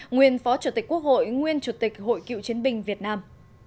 nguyên phó chủ tịch quốc hội nguyên chủ tịch hội cựu chiến binh việt nam